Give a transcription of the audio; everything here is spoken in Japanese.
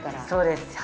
そうです。